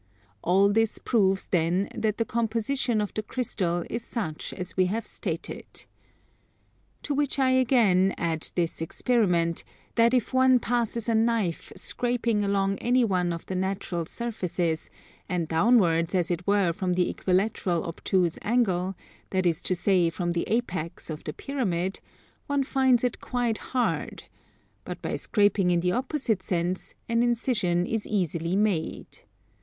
All this proves then that the composition of the crystal is such as we have stated. To which I again add this experiment; that if one passes a knife scraping along any one of the natural surfaces, and downwards as it were from the equilateral obtuse angle, that is to say from the apex of the pyramid, one finds it quite hard; but by scraping in the opposite sense an incision is easily made.